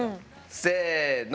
せの。